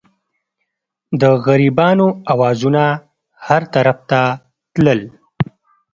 د غریبانو اوازونه هر طرف ته تلل.